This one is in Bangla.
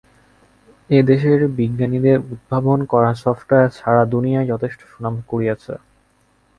এ দেশের বিজ্ঞানীদের উদ্ভাবন করা সফটওয়্যার সারা দুনিয়ায় যথেষ্ট সুনাম কুড়িয়েছে।